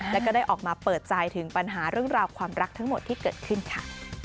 แล้วก็ได้ออกมาเปิดใจถึงปัญหาเรื่องราวความรักทั้งหมดที่เกิดขึ้นค่ะ